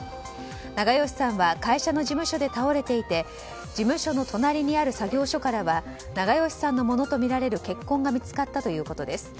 長葭さんは会社の事務所で倒れていて事務所の隣にある作業所からは長葭さんのものとみられる血痕が見つかったということです。